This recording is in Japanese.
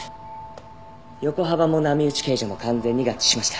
横幅も波打ち形状も完全に合致しました。